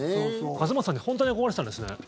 勝俣さんに本当に憧れてたんですね。